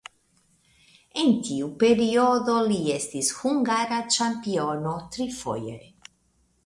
En tiu periodo li estis hungara ĉampiono trifoje.